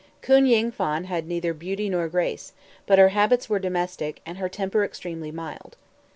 Koon Ying Phan had neither beauty nor grace; but her habits were domestic, and her temper extremely mild.